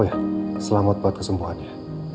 oh iya selamat buat kesembuhan ya